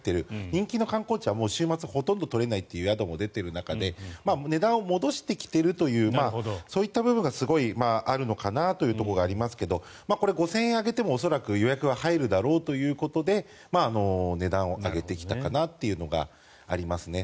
人気の観光地はもう週末、ほとんど取れないという宿も出てきている中で値段を戻してきているというそういった部分があるのかなというところがありますがこれは５０００円上げても恐らく予約は入るだろうということで値段を上げてきたかなというのがあります。